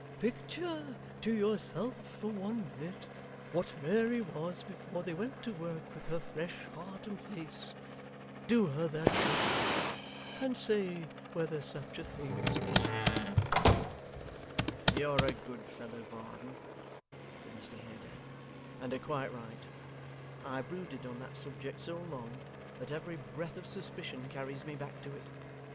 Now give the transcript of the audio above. Picture to yourself for one minute what Mary was before they went to work with her fresh heart and face do her that justice and say whether such a thing is possible.' 'You're a good fellow, Varden,' said Mr Haredale, 'and are quite right. I have brooded on that subject so long, that every breath of suspicion carries me back to it.